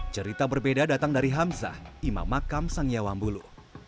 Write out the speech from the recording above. cerita berbeda datang dari hamsah imam makam sangya wambulu